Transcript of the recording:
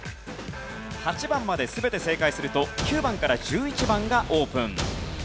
８番まで全て正解すると９番から１１番がオープン。